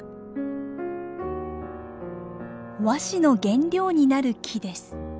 和紙の原料になる木です。